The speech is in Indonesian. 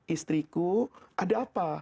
istriku ada apa